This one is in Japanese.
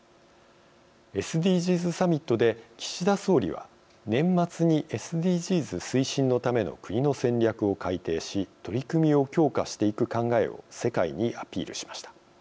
ＳＤＧｓサミットで岸田総理は年末にＳＤＧｓ推進のための国の戦略を改定し取り組みを強化していく考えを世界にアピールしました。